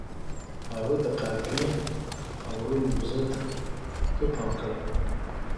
هغه د قافیې او روي موضوع ته ښه پام کړی.